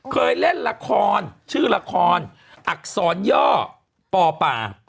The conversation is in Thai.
เคยเล่นละครชื่อละครอักษรย่อปอป่า